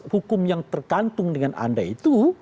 hukum yang tergantung dengan anda itu